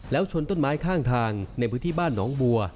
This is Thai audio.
แล้วชนต้นไม้ข้างทางในพื้นที่บ้านหนองบัว